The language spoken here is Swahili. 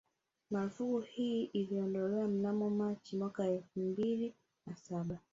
Marufuku hii iliondolewa mnamo Machi mwaka elfu mbili na Saba